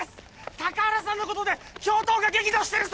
高原さんのことで教頭が激怒してるそうです！